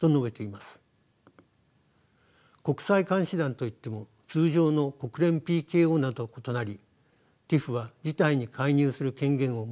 国際監視団といっても通常の国連ＰＫＯなどと異なりＴＩＰＨは事態に介入する権限を持っていませんでした。